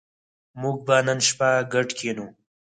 موږ به نن شپه ګډ کېنو